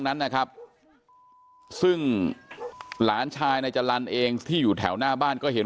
นั้นนะครับซึ่งหลานชายนายจรรย์เองที่อยู่แถวหน้าบ้านก็เห็น